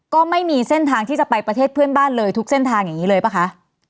ก็ไม่มีเส้นทางที่จะไปประเทศเพื่อนบ้านเลยทุกเส้นทางอย่างนี้เลยป่ะคะ